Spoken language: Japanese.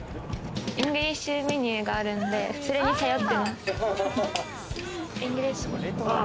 イングリッシュメニューがあるんで、それに頼ってます。